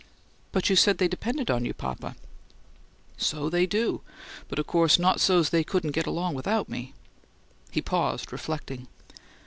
"But you said they depended on you, papa." "So they do; but of course not so's they couldn't get along without me." He paused, reflecting.